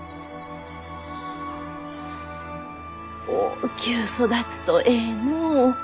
大きゅう育つとえいのう。